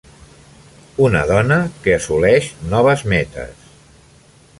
Una dona que assoleix noves metes